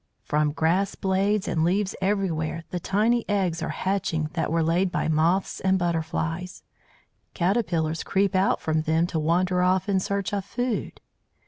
"From grass blades and leaves everywhere the tiny eggs are hatching that were laid by moths and butterflies; caterpillars creep out from them to wander off in search of food.